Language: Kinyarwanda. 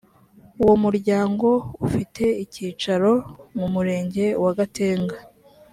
uwo muryango ufite icyicaro mu murenge wa gatenga